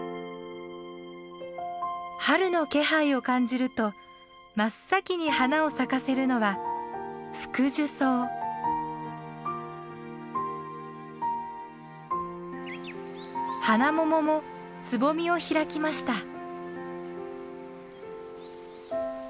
春の気配を感じると真っ先に花を咲かせるのはハナモモもつぼみを開きました。